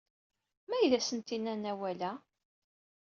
Ma ay d asent-innan awal-ad?